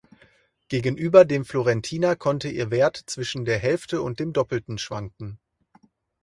Gegenüber dem Florentiner konnte ihr Wert zwischen der Hälfte und dem Doppelten schwanken.